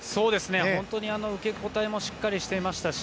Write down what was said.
本当に受け答えもしっかりしていましたし